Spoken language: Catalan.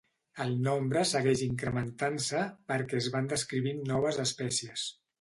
El nombre segueix incrementant-se perquè es van descrivint noves espècies.